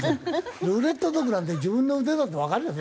ルーレット族なんて自分の腕だってわかるよ